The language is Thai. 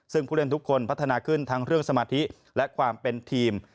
ซึ่งผู้เล่นทุกคนพัฒนาขึ้นทั้งเรื่องสมาธิและความเป็นทีม